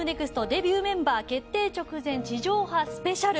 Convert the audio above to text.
デビューメンバー決定直前地上波スペシャル。